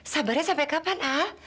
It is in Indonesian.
sabarnya sampai kapan al